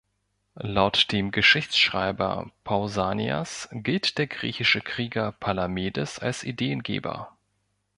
Laut dem Geschichtsschreiber Pausanias gilt der griechische Krieger Palamedes als Ideengeber.